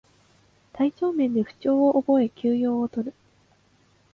体調面で不調を覚え休養をとる